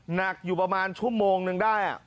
หนักอยู่ประมาณชั่วโมงนึงได้